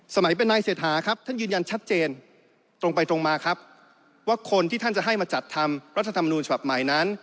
สมัยเป็นนายเศรษฐาครับท่านยืนยันชัดเจนตรงไปตรงมาครับว่าคนที่ท่านจะให้มาจัดทำรัฐธรรมนูญฉบับใหม่นั้น